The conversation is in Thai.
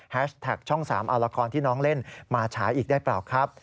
แท็กช่อง๓เอาละครที่น้องเล่นมาฉายอีกได้เปล่าครับ